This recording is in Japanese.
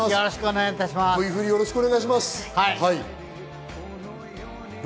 Ｖふり、よろしくお願いします。